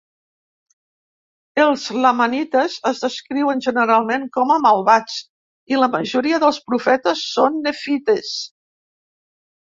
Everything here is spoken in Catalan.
Els lamanites es descriuen generalment com a malvats, i la majoria dels profetes són nefites.